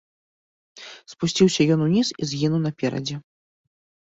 Спусціўся ён уніз і згінуў наперадзе.